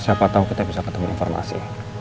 siapa tahu kita bisa ketemu informasi